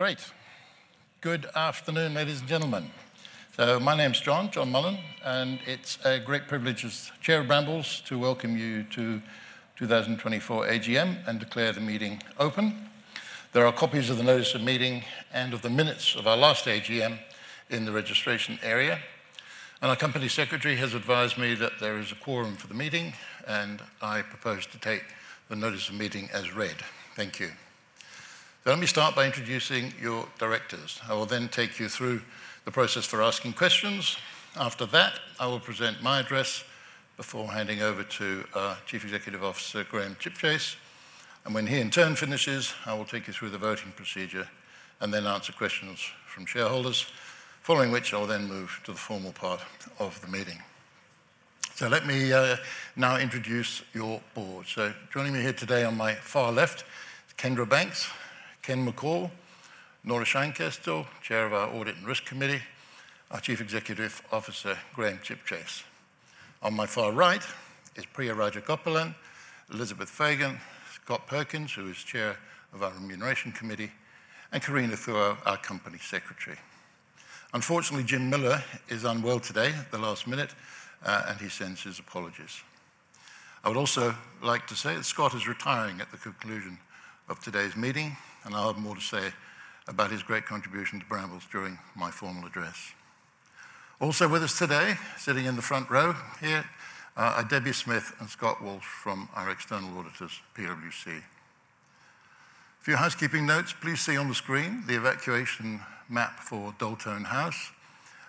Great! Good afternoon, ladies and gentlemen. So my name's John, John Mullen, and it's a great privilege as Chair of Brambles to welcome you to 2024 AGM and declare the meeting open. There are copies of the notice of meeting and of the minutes of our last AGM in the registration area, and our company secretary has advised me that there is a quorum for the meeting, and I propose to take the notice of meeting as read. Thank you. So let me start by introducing your directors. I will then take you through the process for asking questions. After that, I will present my address before handing over to our Chief Executive Officer, Graham Chipchase, and when he in turn finishes, I will take you through the voting procedure and then answer questions from shareholders, following which I'll then move to the formal part of the meeting. So let me now introduce your board. Joining me here today on my far left is Kendra Banks, Ken McCall, Nora Scheinkestel, Chair of our Audit and Risk Committee, our Chief Executive Officer, Graham Chipchase. On my far right is Priya Rajagopalan, Elizabeth Fagan, Scott Perkins, who is Chair of our Remuneration Committee, and Carina Thuaux, our Company Secretary. Unfortunately, Jim Miller is unwell today at the last minute, and he sends his apologies. I would also like to say that Scott is retiring at the conclusion of today's meeting, and I'll have more to say about his great contribution to Brambles during my formal address. Also with us today, sitting in the front row here, are Debbie Smith and Scott Walsh from our external auditors, PwC. A few housekeeping notes: please see on the screen the evacuation map for Daltone House,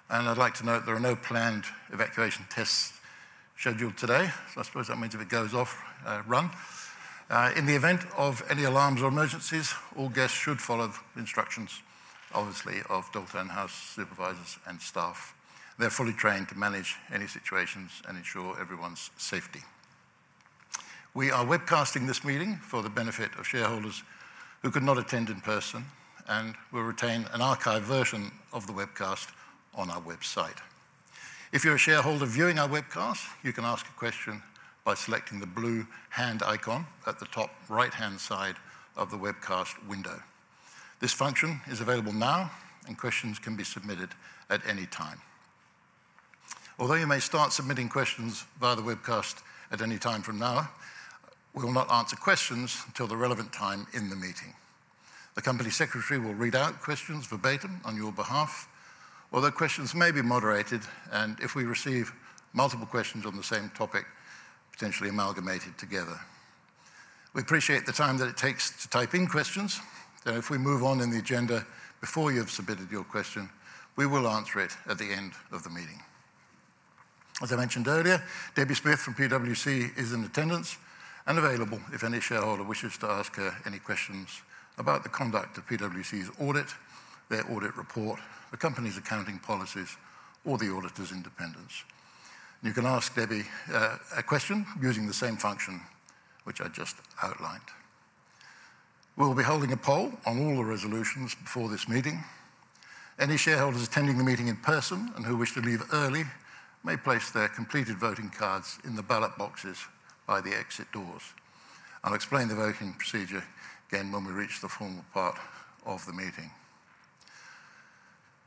and I'd like to note there are no planned evacuation tests scheduled today, so I suppose that means if it goes off, run. In the event of any alarms or emergencies, all guests should follow the instructions, obviously, of Daltone House supervisors and staff. They're fully trained to manage any situations and ensure everyone's safety. We are webcasting this meeting for the benefit of shareholders who could not attend in person and will retain an archived version of the webcast on our website. If you're a shareholder viewing our webcast, you can ask a question by selecting the blue hand icon at the top right-hand side of the webcast window. This function is available now, and questions can be submitted at any time. Although you may start submitting questions via the webcast at any time from now, we will not answer questions until the relevant time in the meeting. The company secretary will read out questions verbatim on your behalf, although questions may be moderated, and if we receive multiple questions on the same topic, potentially amalgamated together. We appreciate the time that it takes to type in questions, and if we move on in the agenda before you've submitted your question, we will answer it at the end of the meeting. As I mentioned earlier, Debbie Smith from PwC is in attendance and available if any shareholder wishes to ask her any questions about the conduct of PwC's audit, their audit report, the company's accounting policies, or the auditor's independence. You can ask Debbie a question using the same function which I just outlined. We will be holding a poll on all the resolutions before this meeting. Any shareholders attending the meeting in person and who wish to leave early may place their completed voting cards in the ballot boxes by the exit doors. I'll explain the voting procedure again when we reach the formal part of the meeting.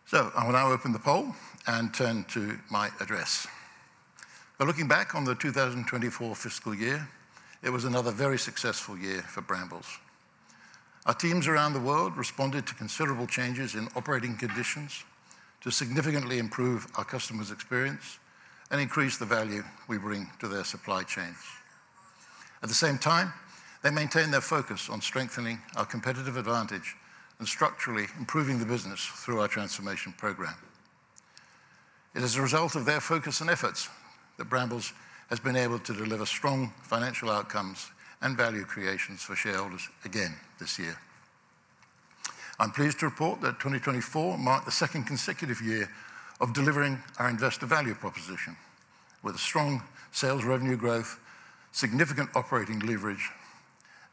So I will now open the poll and turn to my address. By looking back on the 2024 fiscal year, it was another very successful year for Brambles. Our teams around the world responded to considerable changes in operating conditions to significantly improve our customers' experience and increase the value we bring to their supply chains. At the same time, they maintained their focus on strengthening our competitive advantage and structurally improving the business through our transformation program. It is a result of their focus and efforts that Brambles has been able to deliver strong financial outcomes and value creations for shareholders again this year. I'm pleased to report that 2024 marked the second consecutive year of delivering our Investor Value Proposition with a strong sales revenue growth, significant operating leverage,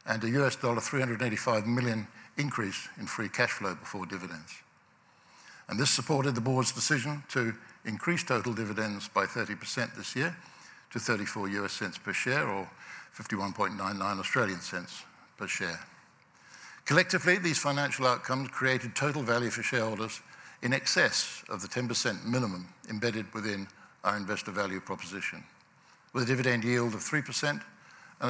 and a $385 million increase in free cash flow before dividends. This supported the board's decision to increase total dividends by 30% this year to $0.34 per share or 0.5199 per share. Collectively, these financial outcomes created total value for shareholders in excess of the 10% minimum embedded within our Investor Value Proposition, with a dividend yield of 3% and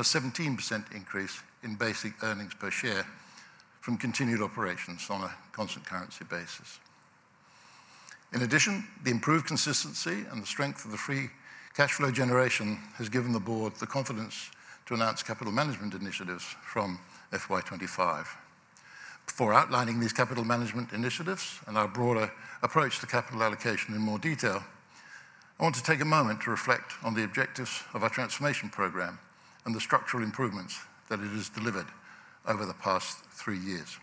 a 17% increase in basic earnings per share from continued operations on a constant currency basis. In addition, the improved consistency and the strength of the free cash flow generation has given the board the confidence to announce capital management initiatives from FY 2025. Before outlining these capital management initiatives and our broader approach to capital allocation in more detail, I want to take a moment to reflect on the objectives of our transformation program and the structural improvements that it has delivered over the past three years.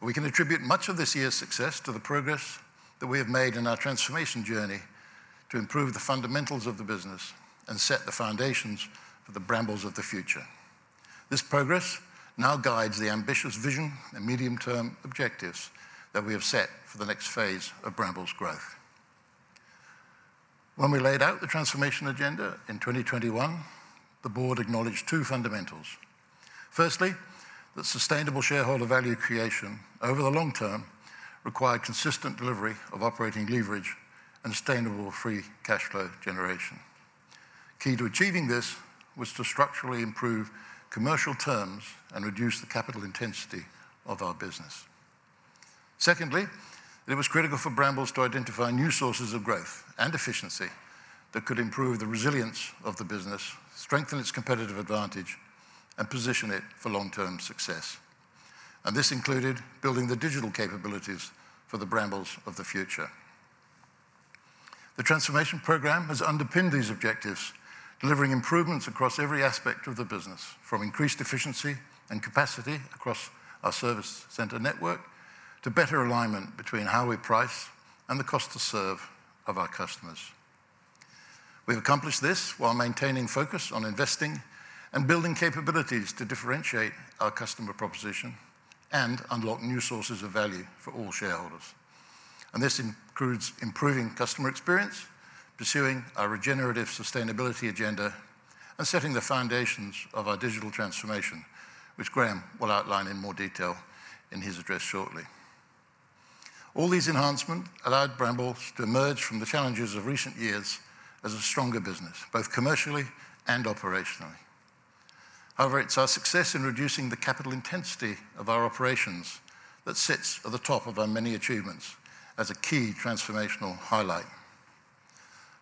We can attribute much of this year's success to the progress that we have made in our transformation journey to improve the fundamentals of the business and set the foundations for the Brambles of the Future. This progress now guides the ambitious vision and medium-term objectives that we have set for the next phase of Brambles' growth.... When we laid out the transformation agenda in 2021, the board acknowledged two fundamentals. Firstly, that sustainable shareholder value creation over the long term required consistent delivery of operating leverage and sustainable free cash flow generation. Key to achieving this was to structurally improve commercial terms and reduce the capital intensity of our business. Secondly, it was critical for Brambles to identify new sources of growth and efficiency that could improve the resilience of the business, strengthen its competitive advantage, and position it for long-term success, and this included building the digital capabilities for the Brambles of the Future. The transformation program has underpinned these objectives, delivering improvements across every aspect of the business, from increased efficiency and capacity across our service center network, to better alignment between how we price and the cost to serve of our customers. We've accomplished this while maintaining focus on investing and building capabilities to differentiate our customer proposition and unlock new sources of value for all shareholders, and this includes improving customer experience, pursuing our regenerative sustainability agenda, and setting the foundations of our digital transformation, which Graham will outline in more detail in his address shortly. All these enhancements allowed Brambles to emerge from the challenges of recent years as a stronger business, both commercially and operationally. However, it's our success in reducing the capital intensity of our operations that sits at the top of our many achievements as a key transformational highlight.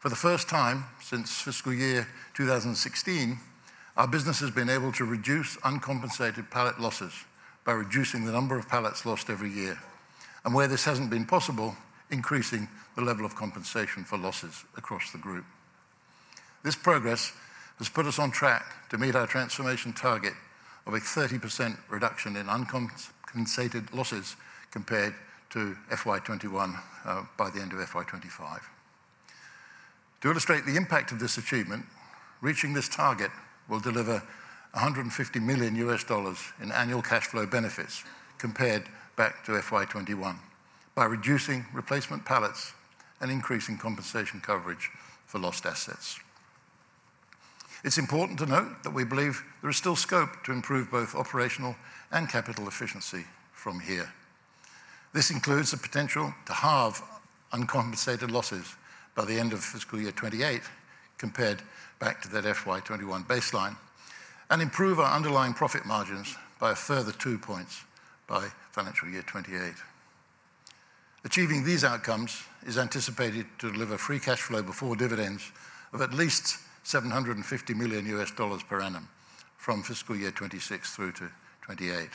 For the first time since fiscal year two thousand and sixteen, our business has been able to reduce uncompensated pallet losses by reducing the number of pallets lost every year, and where this hasn't been possible, increasing the level of compensation for losses across the group. This progress has put us on track to meet our transformation target of a 30% reduction in uncompensated losses compared to FY 2021 by the end of FY 2025. To illustrate the impact of this achievement, reaching this target will deliver $150 million in annual cash flow benefits compared back to FY 2021, by reducing replacement pallets and increasing compensation coverage for lost assets. It's important to note that we believe there is still scope to improve both operational and capital efficiency from here. This includes the potential to halve uncompensated losses by the end of fiscal year 2028, compared back to that FY 2021 baseline, and improve our underlying profit margins by a further two points by financial year 2028. Achieving these outcomes is anticipated to deliver free cash flow before dividends of at least $750 million per annum from fiscal year 2026 through to 2028.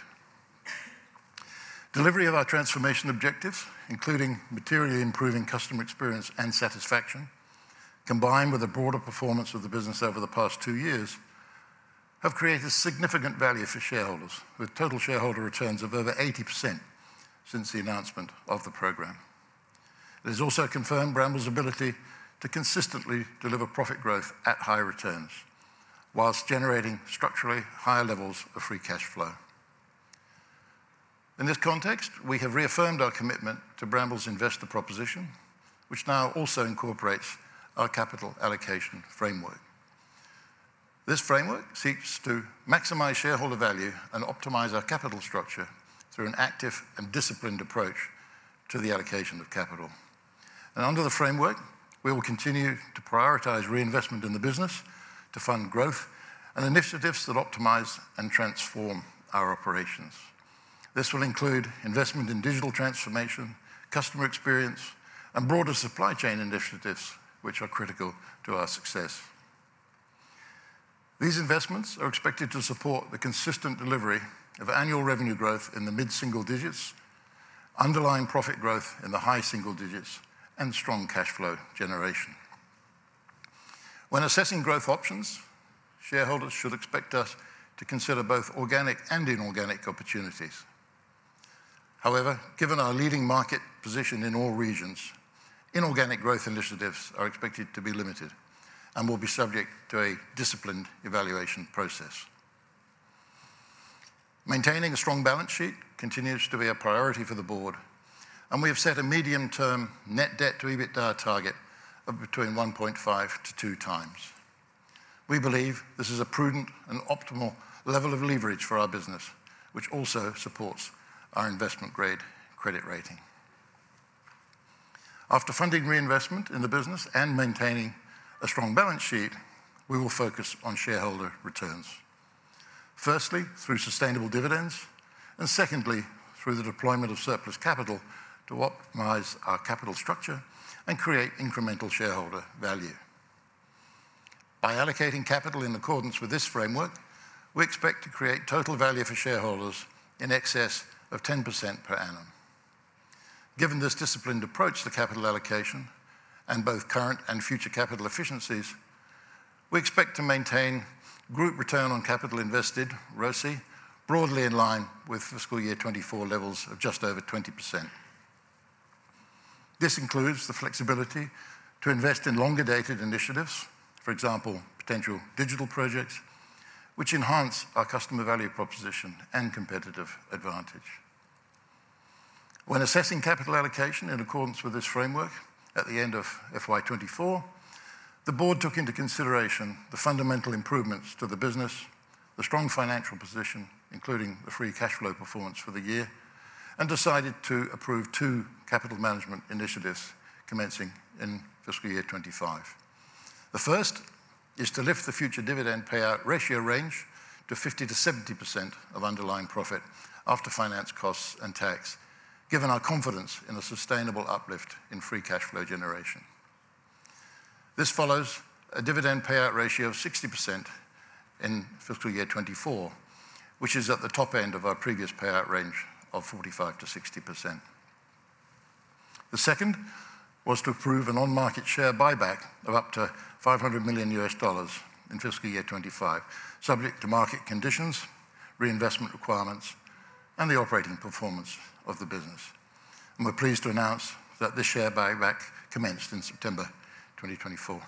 Delivery of our transformation objectives, including materially improving customer experience and satisfaction, combined with the broader performance of the business over the past two years, have created significant value for shareholders, with total shareholder returns of over 80% since the announcement of the program. It has also confirmed Brambles' ability to consistently deliver profit growth at high returns, while generating structurally higher levels of free cash flow. In this context, we have reaffirmed our commitment to Brambles' investor proposition, which now also incorporates our capital allocation framework. This framework seeks to maximize shareholder value and optimize our capital structure through an active and disciplined approach to the allocation of capital. Under the framework, we will continue to prioritize reinvestment in the business to fund growth and initiatives that optimize and transform our operations. This will include investment in digital transformation, customer experience, and broader supply chain initiatives, which are critical to our success. These investments are expected to support the consistent delivery of annual revenue growth in the mid-single digits, underlying profit growth in the high single digits, and strong cash flow generation. When assessing growth options, shareholders should expect us to consider both organic and inorganic opportunities. However, given our leading market position in all regions, inorganic growth initiatives are expected to be limited and will be subject to a disciplined evaluation process. Maintaining a strong balance sheet continues to be a priority for the board, and we have set a medium-term net debt to EBITDA target of between 1.5-2 times. We believe this is a prudent and optimal level of leverage for our business, which also supports our investment-grade credit rating. After funding reinvestment in the business and maintaining a strong balance sheet, we will focus on shareholder returns. Firstly, through sustainable dividends, and secondly, through the deployment of surplus capital to optimize our capital structure and create incremental shareholder value. By allocating capital in accordance with this framework, we expect to create total value for shareholders in excess of 10% per annum. Given this disciplined approach to capital allocation and both current and future capital efficiencies, we expect to maintain group return on capital invested, ROCE, broadly in line with fiscal year 2024 levels of just over 20%. This includes the flexibility to invest in longer-dated initiatives, for example, potential digital projects, which enhance our customer value proposition and competitive advantage.... When assessing capital allocation in accordance with this framework at the end of FY 2024, the board took into consideration the fundamental improvements to the business, the strong financial position, including the free cash flow performance for the year, and decided to approve two capital management initiatives commencing in fiscal year 2025. The first is to lift the future dividend payout ratio range to 50%-70% of underlying profit after finance costs and tax, given our confidence in the sustainable uplift in free cash flow generation. This follows a dividend payout ratio of 60% in fiscal year 2024, which is at the top end of our previous payout range of 45%-60%. The second was to approve an on-market share buyback of up to $500 million in fiscal year 2025, subject to market conditions, reinvestment requirements, and the operating performance of the business, and we're pleased to announce that this share buyback commenced in September 2024.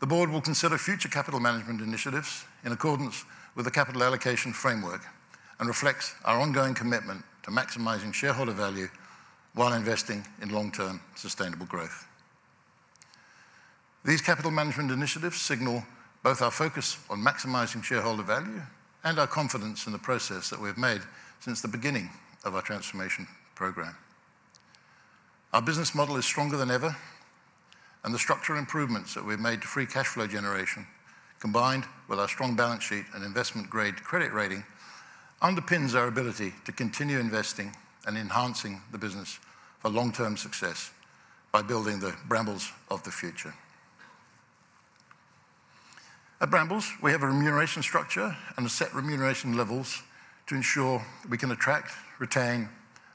The board will consider future capital management initiatives in accordance with the capital allocation framework and reflects our ongoing commitment to maximizing shareholder value while investing in long-term sustainable growth. These capital management initiatives signal both our focus on maximizing shareholder value and our confidence in the process that we have made since the beginning of our transformation program. Our business model is stronger than ever, and the structural improvements that we've made to free cash flow generation, combined with our strong balance sheet and investment-grade credit rating, underpins our ability to continue investing and enhancing the business for long-term success by building the Brambles of the Future. At Brambles, we have a remuneration structure and a set remuneration levels to ensure that we can attract, retain,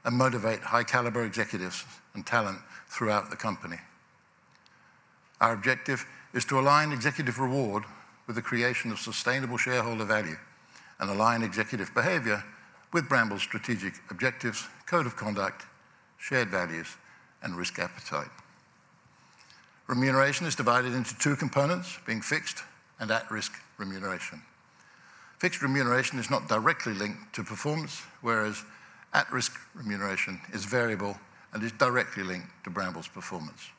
and motivate high-caliber executives and talent throughout the company. Our objective is to align executive reward with the creation of sustainable shareholder value and align executive behavior with Brambles' strategic objectives, code of conduct, shared values, and risk appetite. Remuneration is divided into two components, being fixed and at-risk remuneration. Fixed remuneration is not directly linked to performance, whereas at-risk remuneration is variable and is directly linked to Brambles' performance.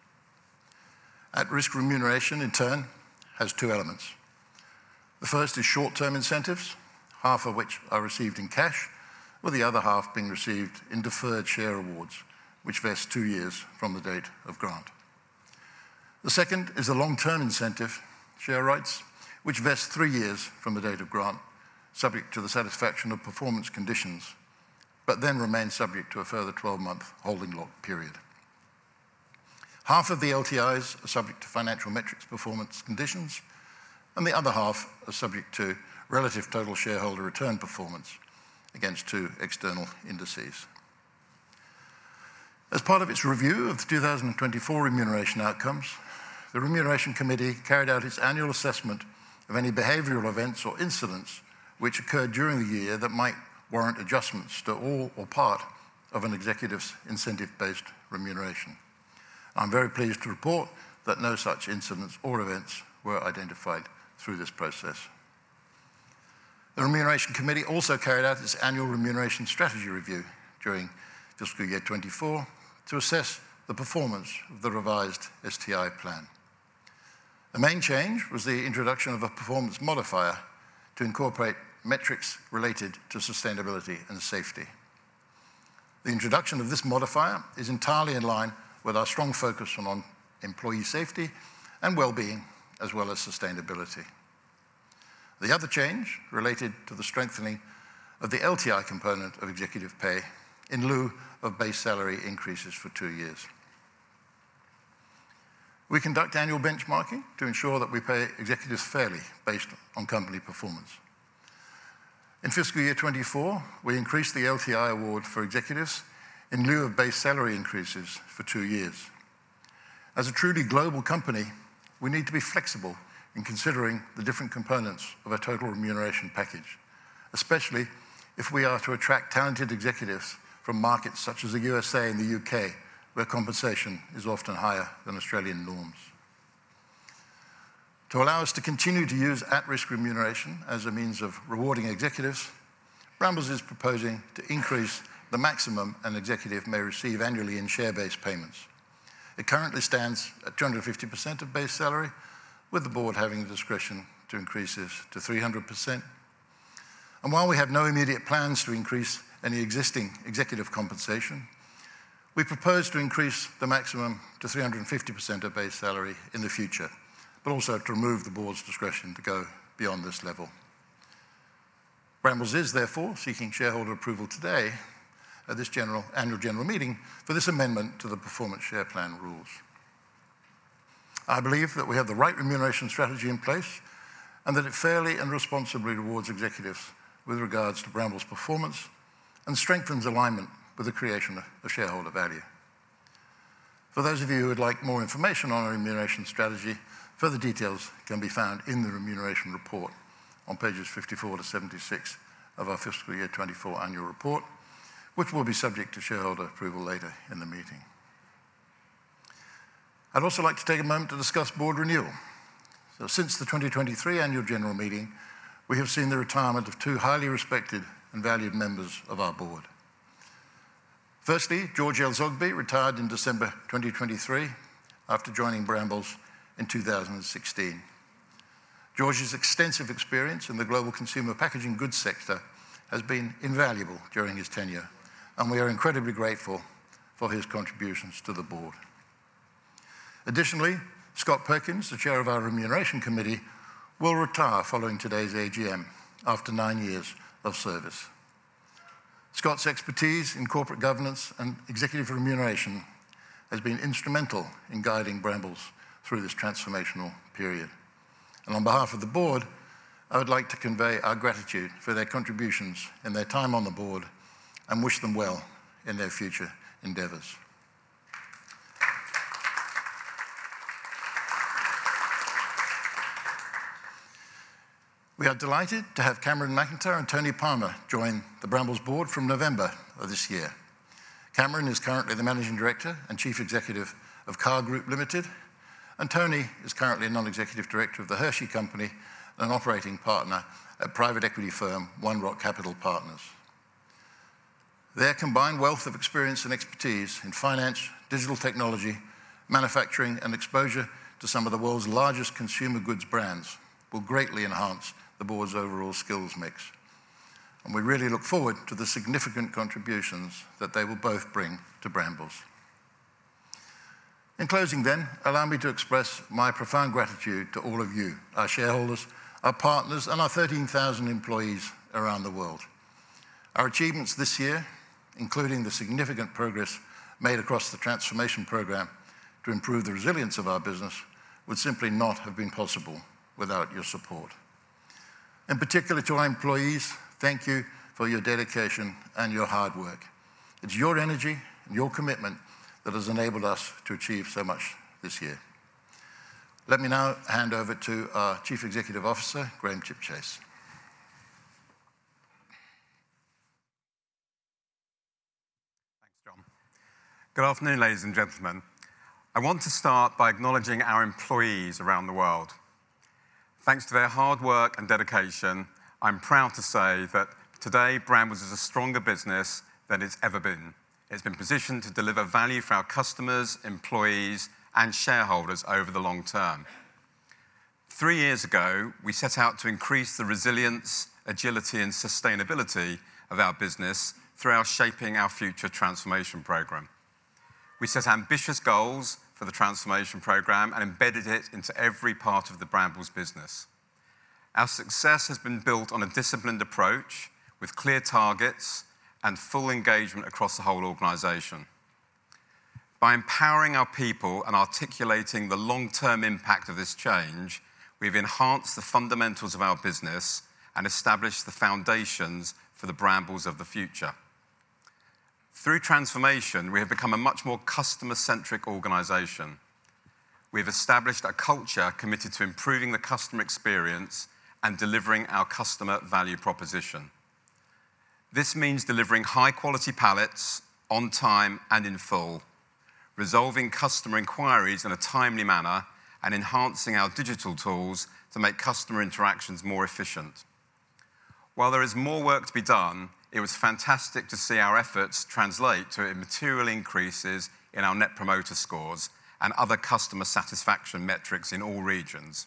At-risk remuneration, in turn, has two elements. The first is short-term incentives, half of which are received in cash, with the other half being received in deferred share awards, which vest two years from the date of grant. The second is a long-term incentive, share rights, which vest three years from the date of grant, subject to the satisfaction of performance conditions, but then remain subject to a further twelve-month holding lock period. Half of the LTIs are subject to financial metrics performance conditions, and the other half are subject to relative total shareholder return performance against two external indices. As part of its review of the 2024 remuneration outcomes, the Remuneration Committee carried out its annual assessment of any behavioral events or incidents which occurred during the year that might warrant adjustments to all or part of an executive's incentive-based remuneration. I'm very pleased to report that no such incidents or events were identified through this process. The Remuneration Committee also carried out its annual remuneration strategy review during fiscal year twenty-four to assess the performance of the revised STI plan. The main change was the introduction of a performance modifier to incorporate metrics related to sustainability and safety. The introduction of this modifier is entirely in line with our strong focus on employee safety and well-being, as well as sustainability. The other change related to the strengthening of the LTI component of executive pay in lieu of base salary increases for two years. We conduct annual benchmarking to ensure that we pay executives fairly based on company performance. In fiscal year twenty-four, we increased the LTI award for executives in lieu of base salary increases for two years. As a truly global company, we need to be flexible in considering the different components of a total remuneration package, especially if we are to attract talented executives from markets such as the USA and the UK, where compensation is often higher than Australian norms. To allow us to continue to use at-risk remuneration as a means of rewarding executives, Brambles is proposing to increase the maximum an executive may receive annually in share-based payments. It currently stands at 250% of base salary, with the board having the discretion to increase this to 300%. And while we have no immediate plans to increase any existing executive compensation, we propose to increase the maximum to 350% of base salary in the future, but also to remove the board's discretion to go beyond this level. Brambles is, therefore, seeking shareholder approval today at this annual general meeting for this amendment to the Performance Share Plan rules. I believe that we have the right remuneration strategy in place, and that it fairly and responsibly rewards executives with regards to Brambles' performance and strengthens alignment with the creation of shareholder value. For those of you who would like more information on our remuneration strategy, further details can be found in the remuneration report on pages 54-76 of our fiscal year 2024 annual report, which will be subject to shareholder approval later in the meeting. I'd also like to take a moment to discuss board renewal. So since the 2023 annual general meeting, we have seen the retirement of two highly respected and valued members of our board. Firstly, George El Zoghbi retired in December 2023 after joining Brambles in 2016. George's extensive experience in the global consumer packaging goods sector has been invaluable during his tenure, and we are incredibly grateful for his contributions to the board. Additionally, Scott Perkins, the Chair of our Remuneration Committee, will retire following today's AGM after nine years of service. Scott's expertise in corporate governance and executive remuneration has been instrumental in guiding Brambles through this transformational period, and on behalf of the board, I would like to convey our gratitude for their contributions and their time on the board and wish them well in their future endeavors. We are delighted to have Cameron McIntyre and Tony Palmer join the Brambles board from November of this year. Cameron is currently the Managing Director and Chief Executive of CAR Group Limited, and Tony is currently a Non-Executive Director of The Hershey Company and an Operating Partner at private equity firm One Rock Capital Partners. Their combined wealth of experience and expertise in finance, digital technology, manufacturing, and exposure to some of the world's largest consumer goods brands will greatly enhance the board's overall skills mix, and we really look forward to the significant contributions that they will both bring to Brambles. In closing then, allow me to express my profound gratitude to all of you, our shareholders, our partners, and our 13,000 employees around the world. Our achievements this year, including the significant progress made across the transformation program to improve the resilience of our business, would simply not have been possible without your support. In particular, to our employees, thank you for your dedication and your hard work. It's your energy and your commitment that has enabled us to achieve so much this year. Let me now hand over to our Chief Executive Officer, Graham Chipchase. Thanks, John. Good afternoon, ladies and gentlemen. I want to start by acknowledging our employees around the world. Thanks to their hard work and dedication, I'm proud to say that today, Brambles is a stronger business than it's ever been. It's been positioned to deliver value for our customers, employees, and shareholders over the long term. Three years ago, we set out to increase the resilience, agility, and sustainability of our business through our Shaping Our Future transformation program. We set ambitious goals for the transformation program and embedded it into every part of the Brambles business. Our success has been built on a disciplined approach with clear targets and full engagement across the whole organization. By empowering our people and articulating the long-term impact of this change, we've enhanced the fundamentals of our business and established the foundations for the Brambles of the Future. Through transformation, we have become a much more customer-centric organization. We've established a culture committed to improving the customer experience and delivering our customer value proposition. This means delivering high-quality pallets on time and in full, resolving customer inquiries in a timely manner, and enhancing our digital tools to make customer interactions more efficient. While there is more work to be done, it was fantastic to see our efforts translate to material increases in our Net Promoter Scores and other customer satisfaction metrics in all regions.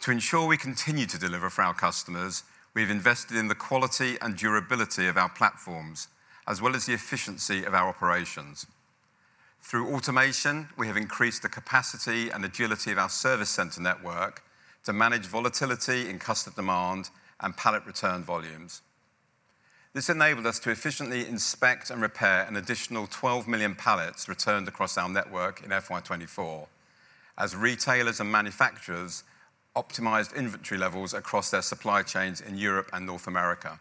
To ensure we continue to deliver for our customers, we've invested in the quality and durability of our platforms, as well as the efficiency of our operations. Through automation, we have increased the capacity and agility of our service center network to manage volatility in customer demand and pallet return volumes. This enabled us to efficiently inspect and repair an additional 12 million pallets returned across our network in FY 2024 as retailers and manufacturers optimized inventory levels across their supply chains in Europe and North America.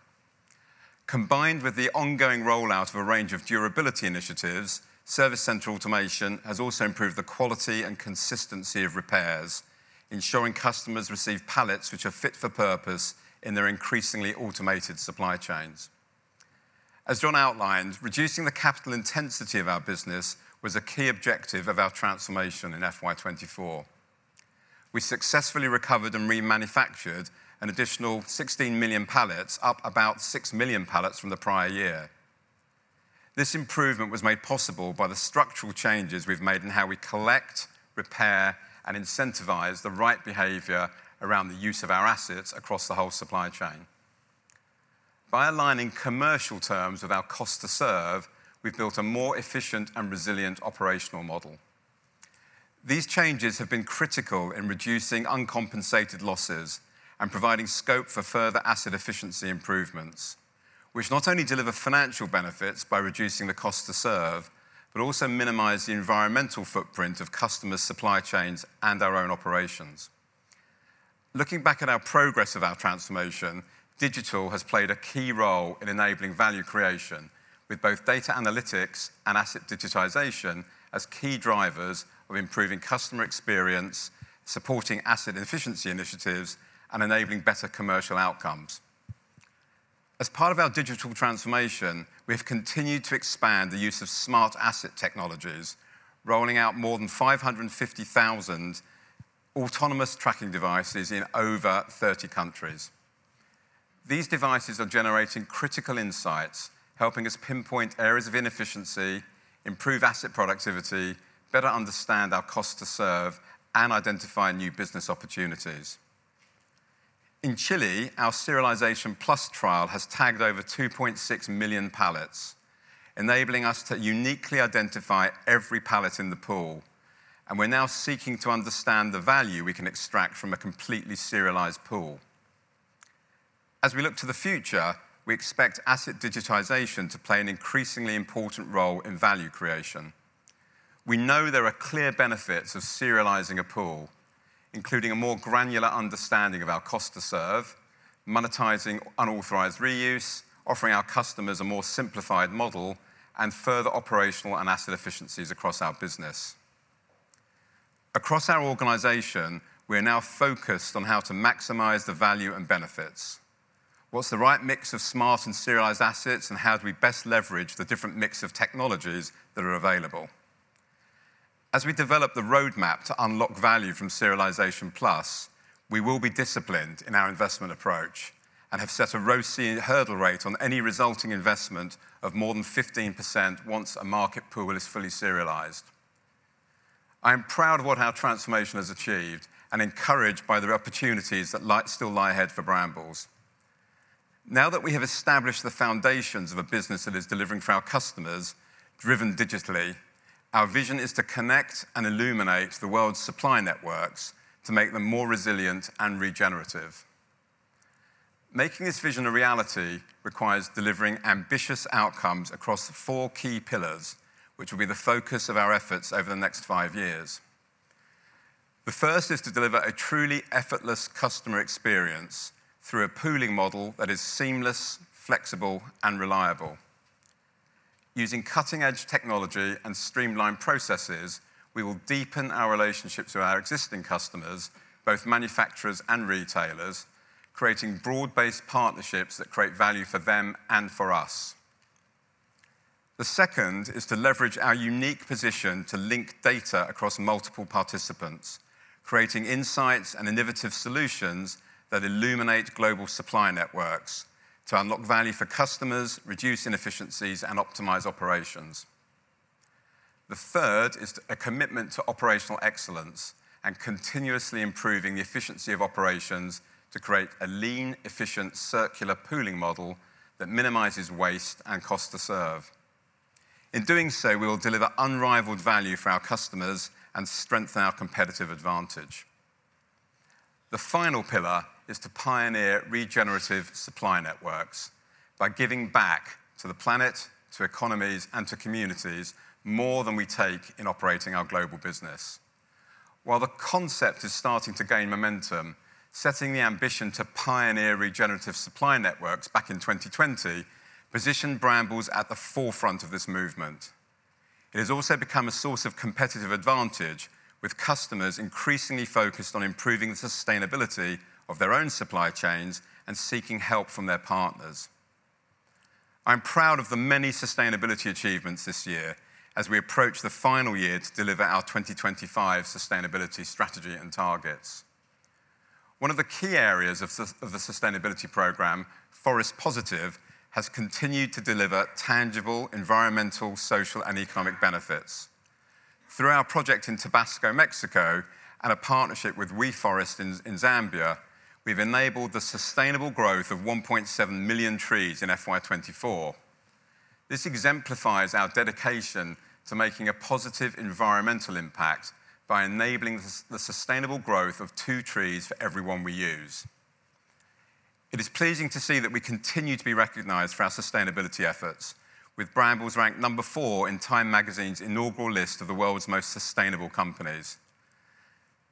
Combined with the ongoing rollout of a range of durability initiatives, service center automation has also improved the quality and consistency of repairs, ensuring customers receive pallets which are fit for purpose in their increasingly automated supply chains. As John outlined, reducing the capital intensity of our business was a key objective of our transformation in FY 2024. We successfully recovered and remanufactured an additional 16 million pallets, up about 6 million pallets from the prior year. This improvement was made possible by the structural changes we've made in how we collect, repair, and incentivize the right behavior around the use of our assets across the whole supply chain. By aligning commercial terms with our cost to serve, we've built a more efficient and resilient operational model. These changes have been critical in reducing uncompensated losses and providing scope for further asset efficiency improvements, which not only deliver financial benefits by reducing the cost to serve, but also minimize the environmental footprint of customers' supply chains and our own operations. Looking back at our progress of our transformation, digital has played a key role in enabling value creation, with both data analytics and asset digitization as key drivers of improving customer experience, supporting asset efficiency initiatives, and enabling better commercial outcomes.... As part of our digital transformation, we have continued to expand the use of smart asset technologies, rolling out more than 550 thousand autonomous tracking devices in over 30 countries. These devices are generating critical insights, helping us pinpoint areas of inefficiency, improve asset productivity, better understand our cost to serve, and identify new business opportunities. In Chile, our Serialisation+ trial has tagged over 2.6 million pallets, enabling us to uniquely identify every pallet in the pool, and we're now seeking to understand the value we can extract from a completely serialized pool. As we look to the future, we expect asset digitization to play an increasingly important role in value creation. We know there are clear benefits of serializing a pool, including a more granular understanding of our cost to serve, monetizing unauthorized reuse, offering our customers a more simplified model, and further operational and asset efficiencies across our business. Across our organization, we are now focused on how to maximize the value and benefits. What's the right mix of smart and serialized assets, and how do we best leverage the different mix of technologies that are available? As we develop the roadmap to unlock value from Serialisation+, we will be disciplined in our investment approach and have set a ROC hurdle rate on any resulting investment of more than 15% once a market pool is fully serialized. I am proud of what our transformation has achieved and encouraged by the opportunities that still lie ahead for Brambles. Now that we have established the foundations of a business that is delivering for our customers, driven digitally, our vision is to connect and illuminate the world's supply networks to make them more resilient and regenerative. Making this vision a reality requires delivering ambitious outcomes across the four key pillars, which will be the focus of our efforts over the next five years. The first is to deliver a truly effortless customer experience through a pooling model that is seamless, flexible, and reliable. Using cutting-edge technology and streamlined processes, we will deepen our relationship to our existing customers, both manufacturers and retailers, creating broad-based partnerships that create value for them and for us. The second is to leverage our unique position to link data across multiple participants, creating insights and innovative solutions that illuminate global supply networks to unlock value for customers, reduce inefficiencies, and optimize operations. The third is a commitment to operational excellence and continuously improving the efficiency of operations to create a lean, efficient, circular pooling model that minimizes waste and cost to serve. In doing so, we will deliver unrivaled value for our customers and strengthen our competitive advantage. The final pillar is to pioneer regenerative supply networks by giving back to the planet, to economies, and to communities more than we take in operating our global business. While the concept is starting to gain momentum, setting the ambition to pioneer regenerative supply networks back in 2020 positioned Brambles at the forefront of this movement. It has also become a source of competitive advantage, with customers increasingly focused on improving the sustainability of their own supply chains and seeking help from their partners. I'm proud of the many sustainability achievements this year as we approach the final year to deliver our 2025 sustainability strategy and targets. One of the key areas of the sustainability program, Forest Positive, has continued to deliver tangible, environmental, social, and economic benefits. Through our project in Tabasco, Mexico, and a partnership with WeForest in Zambia, we've enabled the sustainable growth of 1.7 million trees in FY 2024. This exemplifies our dedication to making a positive environmental impact by enabling the sustainable growth of two trees for every one we use. It is pleasing to see that we continue to be recognized for our sustainability efforts, with Brambles ranked number 4 in TIME magazine's inaugural list of the world's most sustainable companies.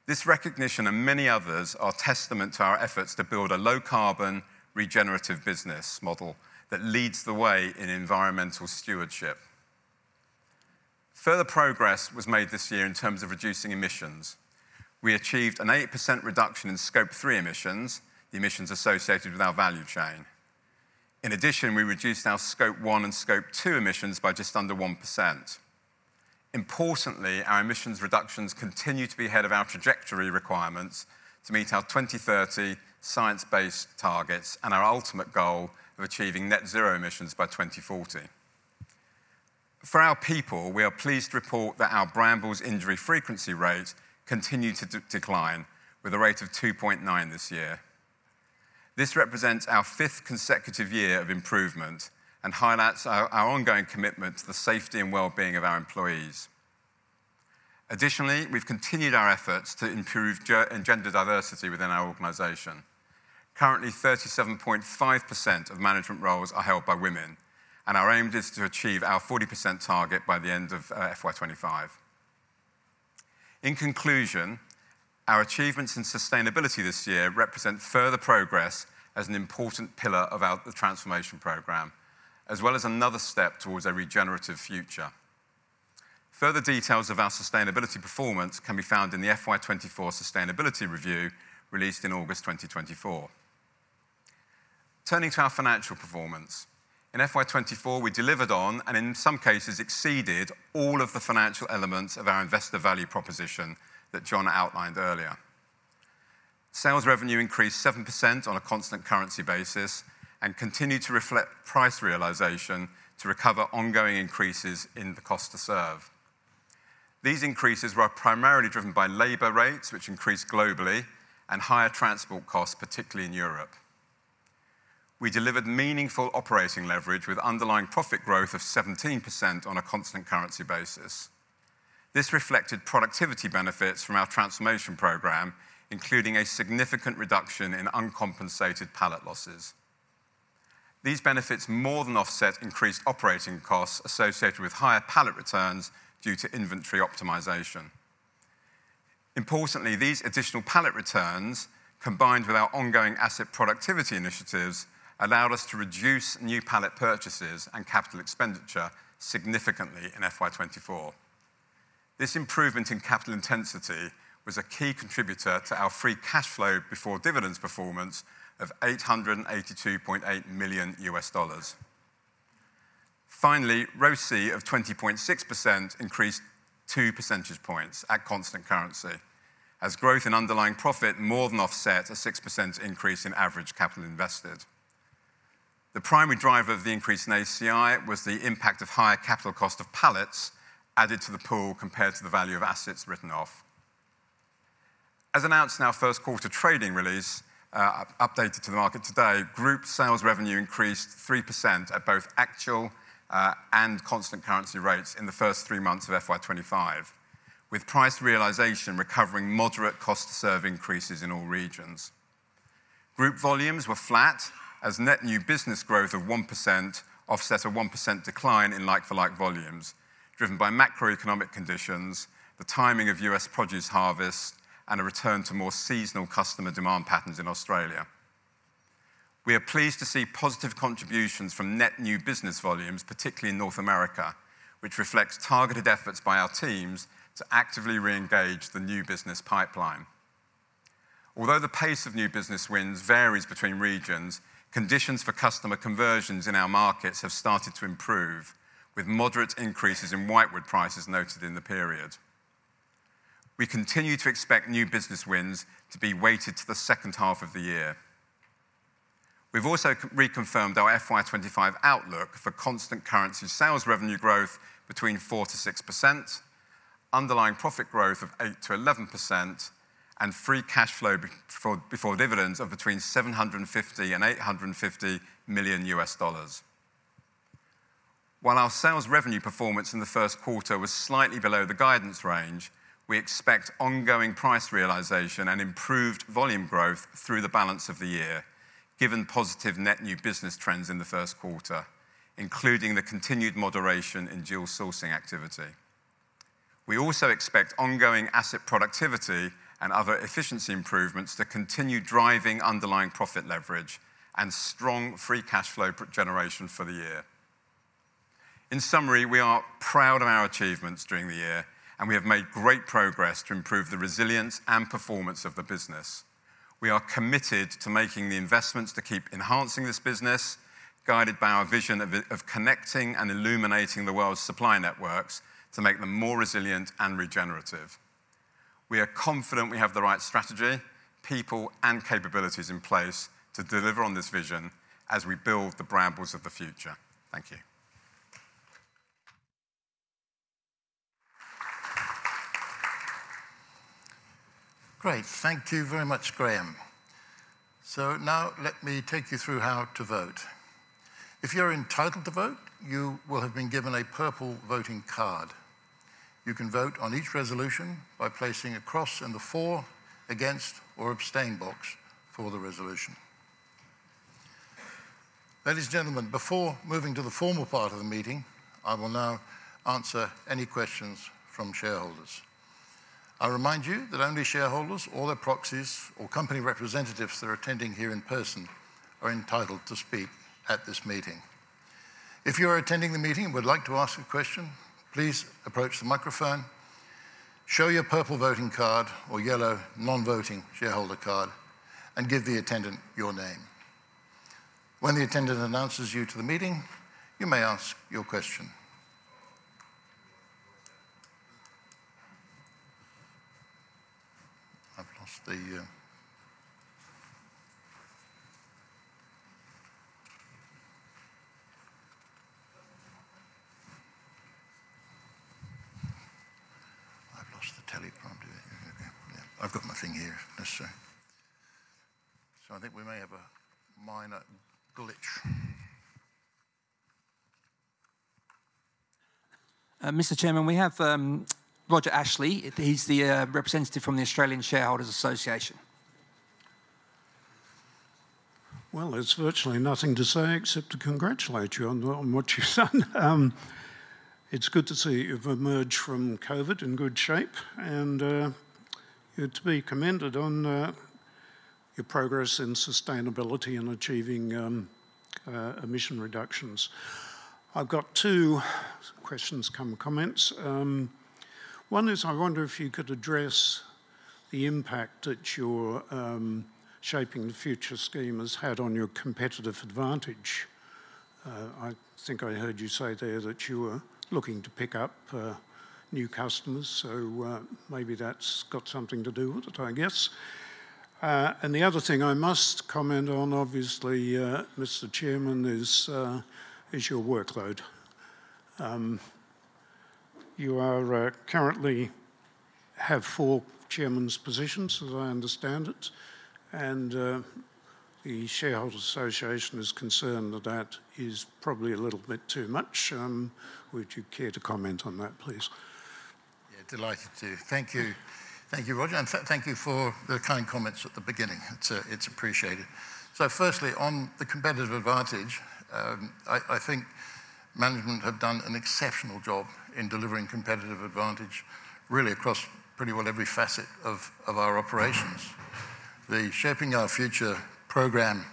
This recognition and many others are testament to our efforts to build a low-carbon, regenerative business model that leads the way in environmental stewardship. Further progress was made this year in terms of reducing emissions. We achieved an 8% reduction in Scope 3 emissions, the emissions associated with our value chain. In addition, we reduced our Scope 1 and Scope 2 emissions by just under 1%. Importantly, our emissions reductions continue to be ahead of our trajectory requirements to meet our 2030 science-based targets and our ultimate goal of achieving net zero emissions by 2040. For our people, we are pleased to report that our Brambles injury frequency rates continue to decline, with a rate of 2.9 this year. This represents our fifth consecutive year of improvement and highlights our ongoing commitment to the safety and well-being of our employees. Additionally, we've continued our efforts to improve gender and gender diversity within our organization. Currently, 37.5% of management roles are held by women, and our aim is to achieve our 40% target by the end of FY 2025. In conclusion, our achievements in sustainability this year represent further progress as an important pillar of our, the transformation program, as well as another step towards a regenerative future. Further details of our sustainability performance can be found in the FY 2024 Sustainability Review, released in August 2024. Turning to our financial performance, in FY 2024, we delivered on, and in some cases exceeded, all of the financial elements of our Investor Value Proposition that John outlined earlier. Sales revenue increased 7% on a constant currency basis, and continued to reflect price realization to recover ongoing increases in the cost to serve. These increases were primarily driven by labor rates, which increased globally, and higher transport costs, particularly in Europe. We delivered meaningful operating leverage, with underlying profit growth of 17% on a constant currency basis. This reflected productivity benefits from our transformation program, including a significant reduction in uncompensated pallet losses. These benefits more than offset increased operating costs associated with higher pallet returns due to inventory optimization. Importantly, these additional pallet returns, combined with our ongoing asset productivity initiatives, allowed us to reduce new pallet purchases and capital expenditure significantly in FY 2024. This improvement in capital intensity was a key contributor to our free cash flow before dividends performance of $882.8 million. Finally, ROCE of 20.6% increased two percentage points at constant currency, as growth in underlying profit more than offset a 6% increase in average capital invested. The primary driver of the increase in ACI was the impact of higher capital cost of pallets added to the pool compared to the value of assets written off. As announced in our first quarter trading release, updated to the market today, group sales revenue increased 3% at both actual and constant currency rates in the first three months of FY 2025, with price realization recovering moderate cost to serve increases in all regions. Group volumes were flat, as net new business growth of 1% offset a 1% decline in like-for-like volumes, driven by macroeconomic conditions, the timing of U.S. produce harvest, and a return to more seasonal customer demand patterns in Australia. We are pleased to see positive contributions from net new business volumes, particularly in North America, which reflects targeted efforts by our teams to actively re-engage the new business pipeline. Although the pace of new business wins varies between regions, conditions for customer conversions in our markets have started to improve, with moderate increases in whitewood prices noted in the period. We continue to expect new business wins to be weighted to the second half of the year. We've also reconfirmed our FY 2025 outlook for constant currency sales revenue growth between 4%-6%, underlying profit growth of 8%-11%, and free cash flow before dividends of between $750 million and $850 million. While our sales revenue performance in the first quarter was slightly below the guidance range, we expect ongoing price realization and improved volume growth through the balance of the year, given positive net new business trends in the first quarter, including the continued moderation in dual sourcing activity. We also expect ongoing asset productivity and other efficiency improvements to continue driving underlying profit leverage and strong free cash flow generation for the year. In summary, we are proud of our achievements during the year, and we have made great progress to improve the resilience and performance of the business. We are committed to making the investments to keep enhancing this business, guided by our vision of connecting and illuminating the world's supply networks to make them more resilient and regenerative. We are confident we have the right strategy, people, and capabilities in place to deliver on this vision as we build the Brambles of the Future. Thank you. Great. Thank you very much, Graham. So now let me take you through how to vote. If you're entitled to vote, you will have been given a purple voting card. You can vote on each resolution by placing a cross in the for, against, or abstain box for the resolution. Ladies, gentlemen, before moving to the formal part of the meeting, I will now answer any questions from shareholders. I remind you that only shareholders, or their proxies, or company representatives that are attending here in person are entitled to speak at this meeting. If you are attending the meeting and would like to ask a question, please approach the microphone, show your purple voting card or yellow non-voting shareholder card, and give the attendant your name. When the attendant announces you to the meeting, you may ask your question. I've lost the teleprompter. Okay. Yeah, I've got my thing here. Let's see. So I think we may have a minor glitch. Mr. Chairman, we have Roger Ashley. He's the representative from the Australian Shareholders' Association. Well, there's virtually nothing to say except to congratulate you on the, on what you've done. It's good to see you've emerged from COVID in good shape, and you're to be commended on your progress in sustainability and achieving emission reductions. I've got two questions come comments. One is I wonder if you could address the impact that your Shaping the Future scheme has had on your competitive advantage. I think I heard you say there that you were looking to pick up new customers, so maybe that's got something to do with it, I guess. And the other thing I must comment on, obviously, Mr. Chairman, is your workload. You are currently have four chairman's positions, as I understand it, and the Shareholders' Association is concerned that that is probably a little bit too much. Would you care to comment on that, please? Yeah, delighted to. Thank you. Thank you, Roger, and thank you for the kind comments at the beginning. It's appreciated. So firstly, on the competitive advantage, I think management have done an exceptional job in delivering competitive advantage, really across pretty well every facet of our operations. The Shaping Our Future program,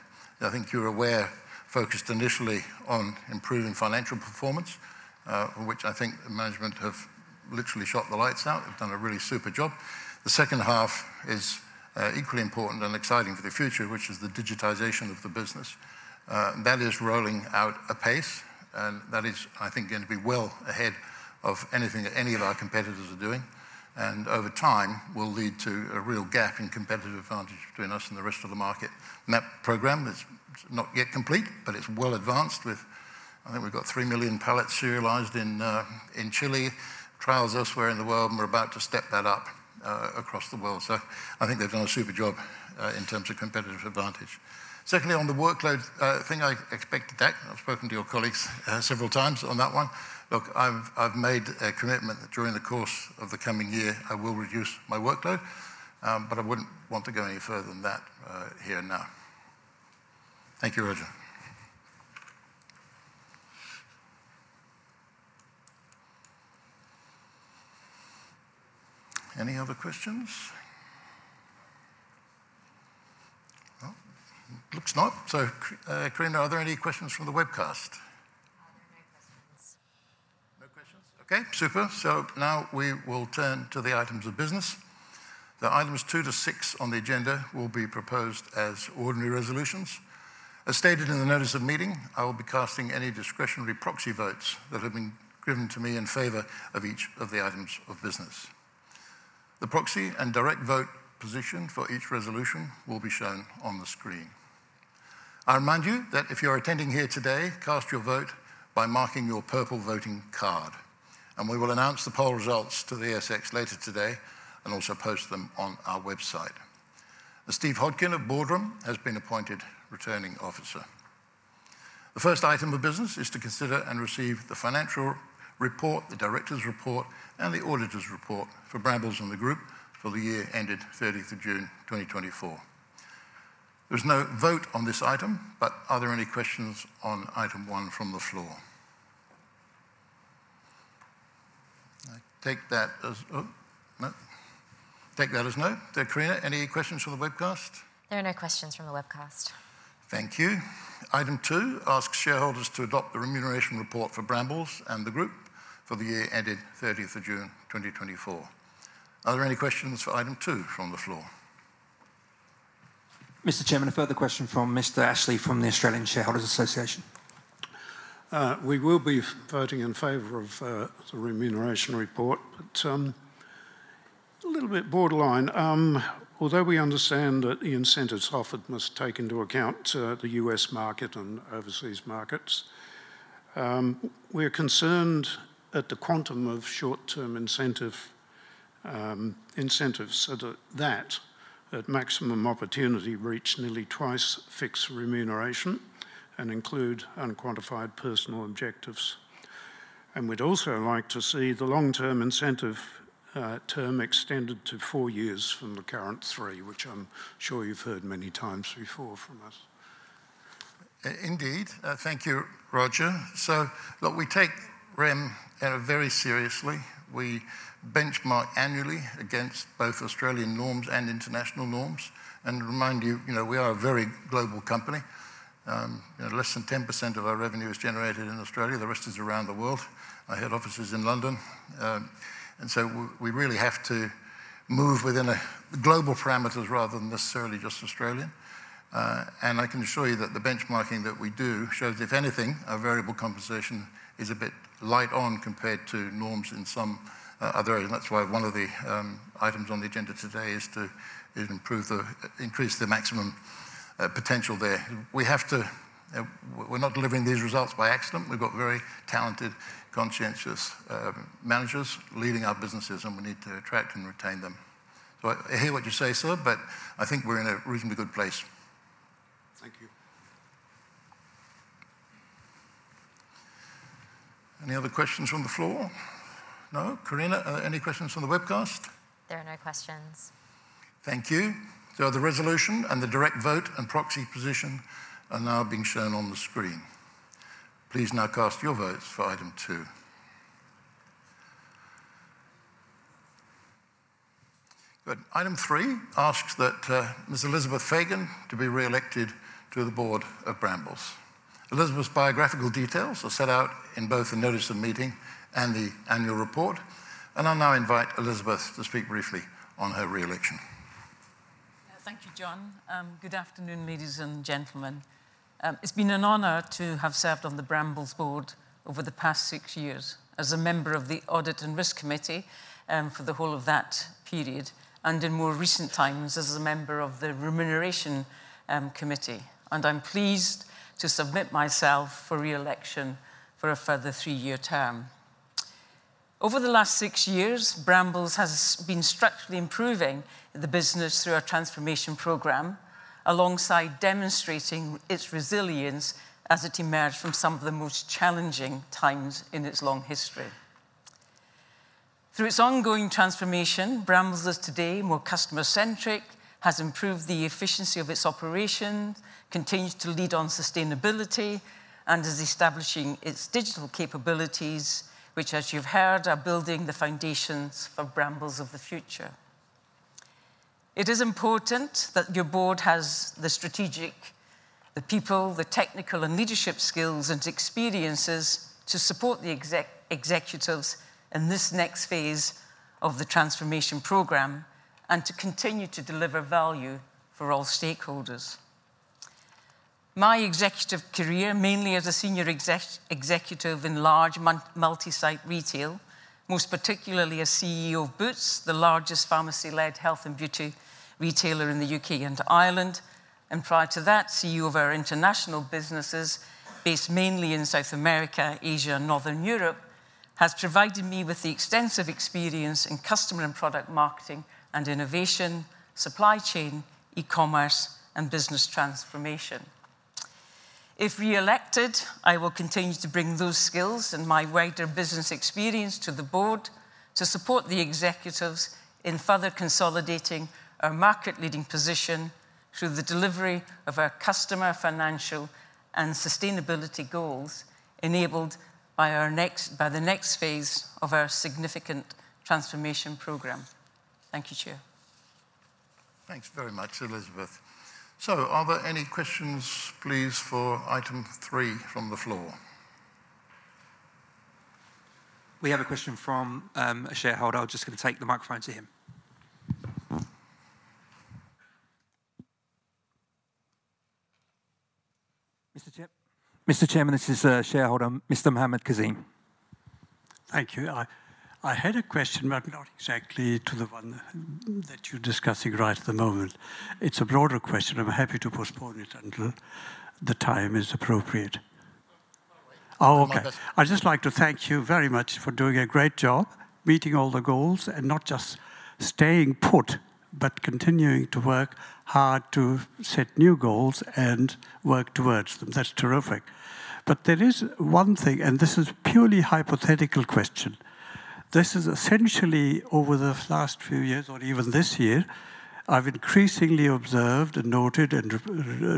I think you're aware, focused initially on improving financial performance, which I think the management have literally shot the lights out, they've done a really super job. The second half is equally important and exciting for the future, which is the digitization of the business. That is rolling out apace, and that is, I think, going to be well ahead of anything that any of our competitors are doing, and over time will lead to a real gap in competitive advantage between us and the rest of the market. That program is not yet complete, but it's well advanced with I think we've got three million pallets serialized in Chile, trials elsewhere in the world, and we're about to step that up across the world. So I think they've done a super job in terms of competitive advantage. Secondly, on the workload thing, I expected that. I've spoken to your colleagues several times on that one. Look, I've made a commitment that during the course of the coming year, I will reduce my workload, but I wouldn't want to go any further than that here now. Thank you, Roger. Any other questions? No, looks not. So, Carina, are there any questions from the webcast? There are no questions. No questions? Okay, super. So now we will turn to the items of business. The items two to six on the agenda will be proposed as ordinary resolutions. As stated in the notice of meeting, I will be casting any discretionary proxy votes that have been given to me in favor of each of the items of business. The proxy and direct vote position for each resolution will be shown on the screen. I remind you that if you are attending here today, cast your vote by marking your purple voting card, and we will announce the poll results to the ASX later today, and also post them on our website. Steve Hodkin of Boardroom has been appointed Returning Officer. The first item of business is to consider and receive the financial report, the directors' report, and the auditors' report for Brambles and the group for the year ended thirtieth of June, twenty twenty-four. There's no vote on this item, but are there any questions on item one from the floor? I take that as, oh, no. Take that as a no. Carina, any questions from the webcast? There are no questions from the webcast. Thank you. Item two asks shareholders to adopt the remuneration report for Brambles and the group for the year ended thirtieth of June, twenty twenty-four. Are there any questions for item two from the floor? Mr. Chairman, a further question from Mr. Ashley, from the Australian Shareholders' Association. We will be voting in favor of the remuneration report, but a little bit borderline. Although we understand that the incentives offered must take into account the U.S. market and overseas markets, we're concerned at the quantum of short-term incentive, so that maximum opportunity reach nearly twice fixed remuneration and include unquantified personal objectives. And we'd also like to see the long-term incentive term extended to four years from the current three, which I'm sure you've heard many times before from us. Indeed. Thank you, Roger. So look, we take remuneration very seriously. We benchmark annually against both Australian norms and international norms, and remind you, you know, we are a very global company. You know, less than 10% of our revenue is generated in Australia, the rest is around the world. Our head office is in London, and so we really have to move within global parameters rather than necessarily just Australian, and I can assure you that the benchmarking that we do shows, if anything, our variable compensation is a bit light on compared to norms in some other areas, and that's why one of the items on the agenda today is to improve the, increase the maximum potential there. We're not delivering these results by accident. We've got very talented, conscientious, managers leading our businesses, and we need to attract and retain them. So I hear what you say, sir, but I think we're in a reasonably good place. Thank you. Any other questions from the floor? No. Carina, are there any questions from the webcast? There are no questions. Thank you. So the resolution and the direct vote and proxy position are now being shown on the screen. Please now cast your votes for item two.... Good. Item three asks that, Ms. Elizabeth Fagan to be re-elected to the Board of Brambles. Elizabeth's biographical details are set out in both the notice of meeting and the annual report, and I'll now invite Elizabeth to speak briefly on her re-election. Thank you, John. Good afternoon, ladies and gentlemen. It's been an honor to have served on the Brambles board over the past six years as a member of the Audit and Risk Committee, for the whole of that period, and in more recent times as a member of the Remuneration Committee. And I'm pleased to submit myself for re-election for a further three-year term. Over the last six years, Brambles has been structurally improving the business through our transformation program, alongside demonstrating its resilience as it emerged from some of the most challenging times in its long history. Through its ongoing transformation, Brambles is today more customer-centric, has improved the efficiency of its operation, continues to lead on sustainability, and is establishing its digital capabilities, which, as you've heard, are building the foundations of Brambles of the Future. It is important that your board has the strategic, the people, the technical and leadership skills and experiences to support the executives in this next phase of the transformation program, and to continue to deliver value for all stakeholders. My executive career, mainly as a senior executive in large multi-site retail, most particularly as CEO of Boots, the largest pharmacy-led health and beauty retailer in the U.K. and Ireland, and prior to that, CEO of our international businesses, based mainly in South America, Asia, and Northern Europe, has provided me with the extensive experience in customer and product marketing and innovation, supply chain, e-commerce, and business transformation. If re-elected, I will continue to bring those skills and my wider business experience to the board to support the executives in further consolidating our market-leading position through the delivery of our customer, financial, and sustainability goals, enabled by the next phase of our significant transformation program. Thank you, Chair. Thanks very much, Elizabeth. So are there any questions, please, for item three from the floor? We have a question from a shareholder. I'm just gonna take the microphone to him. Mr. Chairman, this is a shareholder, Mr. Mohamed Kazeem. Thank you. I had a question, but not exactly to the one that you're discussing right at the moment. It's a broader question. I'm happy to postpone it until the time is appropriate. Oh, okay. Oh, okay. I'd just like to thank you very much for doing a great job, meeting all the goals, and not just staying put, but continuing to work hard to set new goals and work towards them. That's terrific. But there is one thing, and this is purely hypothetical question. This is essentially over the last few years, or even this year, I've increasingly observed and noted and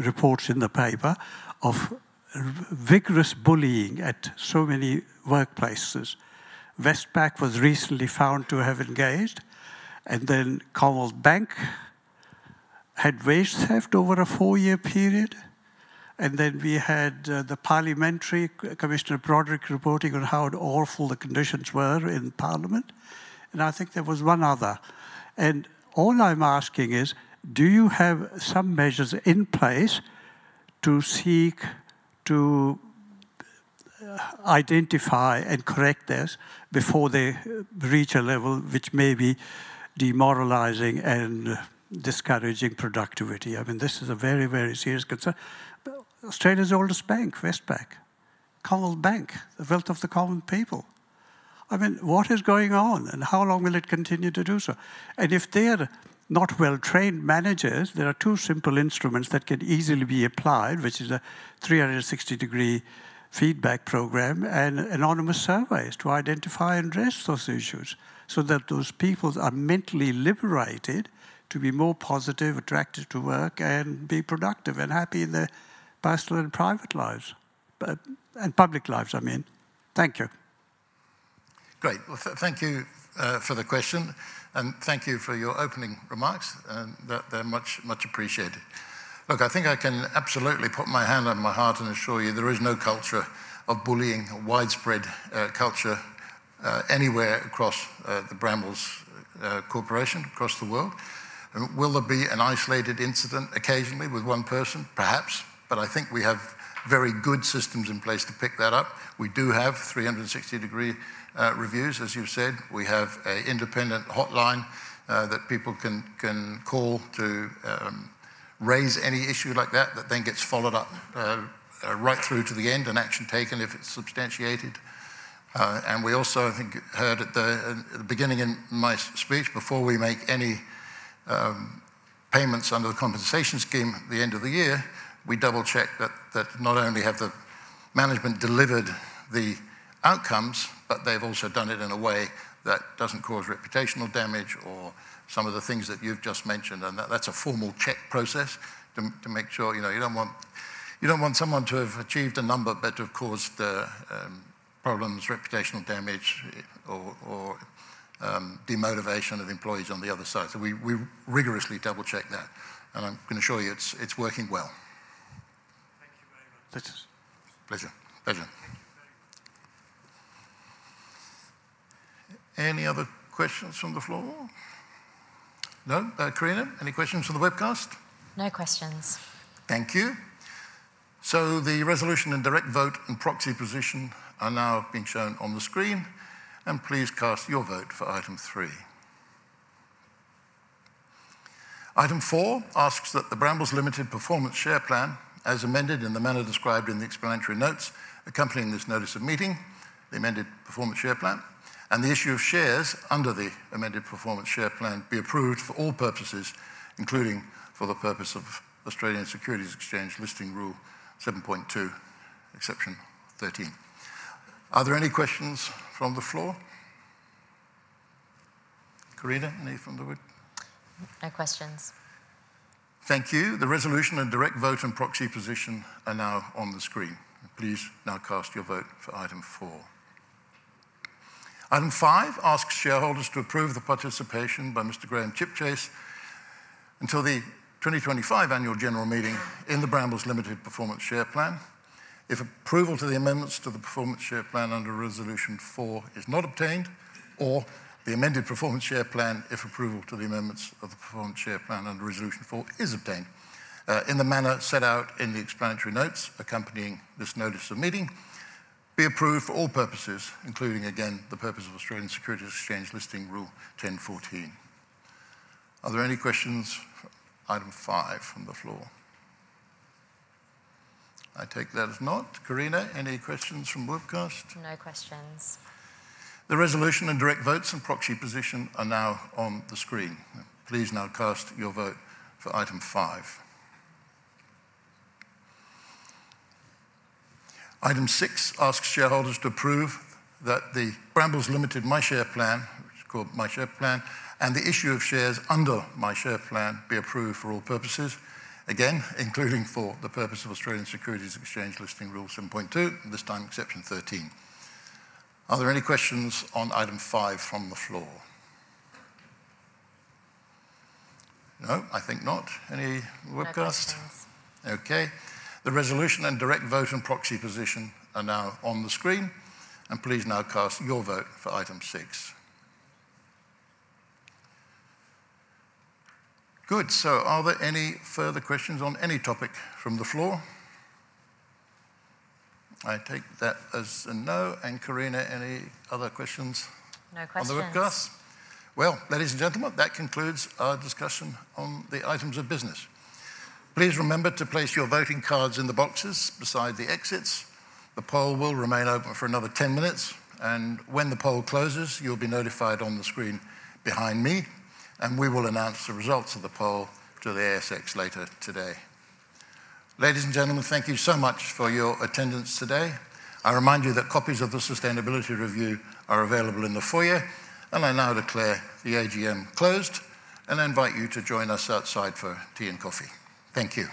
reports in the paper of vigorous bullying at so many workplaces. Westpac was recently found to have engaged, and then Commonwealth Bank had wage theft over a four-year period, and then we had the Parliamentary Commissioner Broderick reporting on how awful the conditions were in Parliament, and I think there was one other. And all I'm asking is, do you have some measures in place to seek to, identify and correct this before they reach a level which may be demoralizing and discouraging productivity? I mean, this is a very, very serious concern. Australia's oldest bank, Westpac. Commonwealth Bank, the wealth of the Commonwealth people. I mean, what is going on, and how long will it continue to do so? And if they're not well-trained managers, there are two simple instruments that can easily be applied, which is a 360-degree feedback program and anonymous surveys to identify and address those issues, so that those peoples are mentally liberated to be more positive, attracted to work, and be productive and happy in their personal and private lives. and public lives, I mean. Thank you. Great. Well, thank you for the question, and thank you for your opening remarks, and that, they're much, much appreciated. Look, I think I can absolutely put my hand on my heart and assure you there is no culture of bullying, a widespread culture, anywhere across the Brambles corporation, across the world. And will there be an isolated incident occasionally with one person? Perhaps. But I think we have very good systems in place to pick that up. We do have 360-degree reviews, as you've said. We have an independent hotline that people can call to raise any issue like that, that then gets followed up right through to the end, and action taken if it's substantiated. And we also, I think, heard at the beginning in my speech, before we make any payments under the compensation scheme at the end of the year, we double-check that not only have the management delivered the outcomes, but they've also done it in a way that doesn't cause reputational damage or some of the things that you've just mentioned. And that's a formal check process to make sure, you know, you don't want someone to have achieved a number, but of course, the problems, reputational damage, or demotivation of employees on the other side. So we rigorously double-check that, and I can assure you, it's working well. Thank you very much. Pleasure. Pleasure. Thank you very much. Any other questions from the floor? No. Carina, any questions from the webcast? No questions. Thank you. So the resolution and direct vote and proxy position are now being shown on the screen, and please cast your vote for item three. Item four asks that the Brambles Limited Performance Share Plan, as amended in the manner described in the explanatory notes accompanying this notice of meeting, the amended Performance Share Plan, and the issue of shares under the amended Performance Share Plan be approved for all purposes, including for the purpose of Australian Securities Exchange Listing Rule 7.2, Exception 13. Are there any questions from the floor? Carina, any from the web? No questions. Thank you. The resolution and direct vote and proxy position are now on the screen. Please now cast your vote for item four. Item five asks shareholders to approve the participation by Mr. Graham Chipchase until the 2025 Annual General Meeting in the Brambles Limited Performance Share Plan. If approval to the amendments to the Performance Share Plan under Resolution Four is not obtained, or the amended Performance Share Plan, if approval to the amendments of the Performance Share Plan under Resolution Four is obtained, in the manner set out in the explanatory notes accompanying this notice of meeting, be approved for all purposes, including, again, the purpose of Australian Securities Exchange Listing Rule 10.14. Are there any questions for item five from the floor? I take that as not. Carina, any questions from webcast? No questions. The resolution and direct votes and proxy position are now on the screen. Please now cast your vote for Item five. Item six asks shareholders to approve that the Brambles Limited MyShare Plan, which is called MyShare Plan, and the issue of shares under MyShare Plan, be approved for all purposes, again, including for the purpose of Australian Securities Exchange Listing Rule 7.2, this time Exception 13. Are there any questions on Item five from the floor? No, I think not. Any webcast? No questions. Okay. The resolution and direct vote and proxy position are now on the screen, and please now cast your vote for item six. Good. So are there any further questions on any topic from the floor? I take that as a no. And, Carina, any other questions? No questions... on the webcast? Well, ladies and gentlemen, that concludes our discussion on the items of business. Please remember to place your voting cards in the boxes beside the exits. The poll will remain open for another 10 minutes, and when the poll closes, you'll be notified on the screen behind me, and we will announce the results of the poll to the ASX later today. Ladies and gentlemen, thank you so much for your attendance today. I remind you that copies of the Sustainability Review are available in the foyer, and I now declare the AGM closed, and I invite you to join us outside for tea and coffee. Thank you.